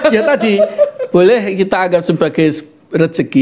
ya tadi boleh kita anggap sebagai rezeki